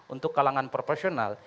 untuk kalangan profesional